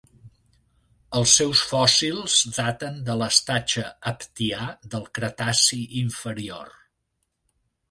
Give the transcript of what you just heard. Els seus fòssils daten de l'estatge Aptià del Cretaci inferior.